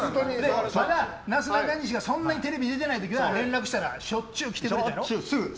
まだなすなかにしがそんなにテレビ出てない時は連絡したらしょっちゅう来てくれたろ。